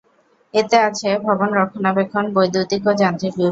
এতে আছে: ভবন রক্ষণাবেক্ষণ, বৈদ্যুতিক ও যান্ত্রিক বিভাগ।